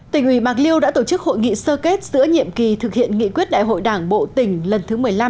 tỉnh ủy bạc liêu đã tổ chức hội nghị sơ kết giữa nhiệm kỳ thực hiện nghị quyết đại hội đảng bộ tỉnh lần thứ một mươi năm